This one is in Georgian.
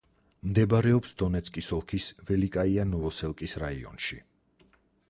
მდებარეობს დონეცკის ოლქის ველიკაია-ნოვოსელკის რაიონში.